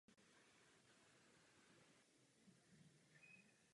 Mužským protějškem neteře je synovec.